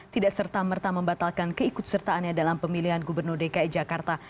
tidak serta merta membatalkan keikut sertaannya dalam pemilihan gubernur dki jakarta